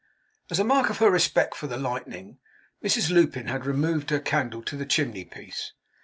As a mark of her respect for the lightning, Mrs Lupin had removed her candle to the chimney piece.